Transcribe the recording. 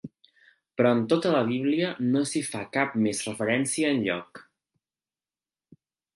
Però en tota la Bíblia no s'hi fa cap més referència enlloc.